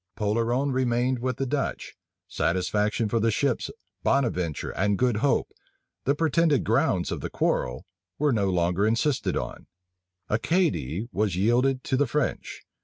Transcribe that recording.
Polerone remained with the Dutch; satisfaction for the ships Bonaventure and Good Hope, the pretended grounds of the quarrel, was no longer insisted on; Acadie was yielded to the French.